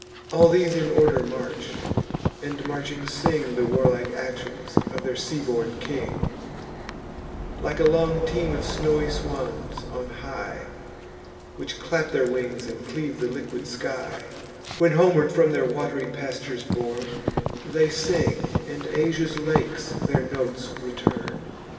All these in order march, and marching sing The warlike actions of their sea born king; Like a long team of snowy swans on high, Which clap their wings, and cleave the liquid sky, When, homeward from their wat'ry pastures borne, They sing, and Asia's lakes their notes return.